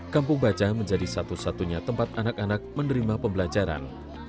kampung baca menjadi satu satunya tempat anak anak menerima pembelajaran